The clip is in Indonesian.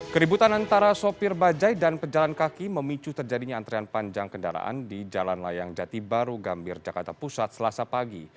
keributan antara sopir bajai dan pejalan kaki memicu terjadinya antrian panjang kendaraan di jalan layang jati baru gambir jakarta pusat selasa pagi